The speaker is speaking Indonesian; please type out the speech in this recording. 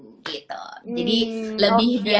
gitu jadi lebih